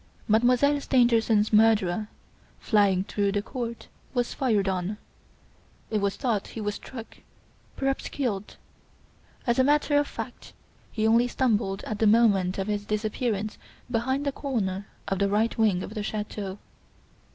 Mademoiselle Stangerson's murderer, flying through the court, was fired on; it was thought he was struck, perhaps killed. As a matter of fact, he only stumbled at the moment of his disappearance behind the corner of the right wing of the chateau.